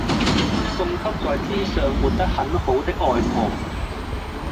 送給在天上活得很好的外婆